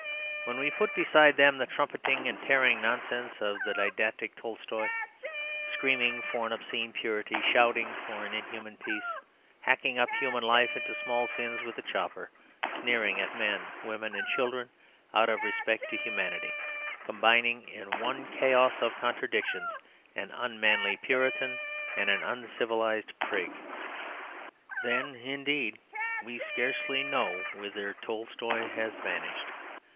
When we put beside them the trumpeting and tearing nonsense of the didactic Tolstoy, screaming for an obscene purity, shouting for an inhuman peace, hacking up human life into small sins with a chopper, sneering at men, women, and children out of respect to humanity, combining in one chaos of contradictions an unmanly Puritan and an uncivilised prig, then, indeed, we scarcely know whither Tolstoy has vanished.